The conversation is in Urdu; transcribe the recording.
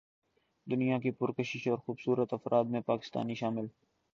دنیا کے پرکشش اور خوبصورت افراد میں پاکستانی شامل